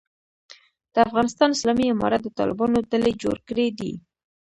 د افغانستان اسلامي امارت د طالبانو ډلې جوړ کړی دی.